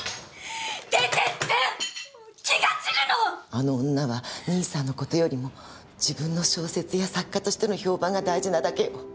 あの女は兄さんの事よりも自分の小説や作家としての評判が大事なだけよ。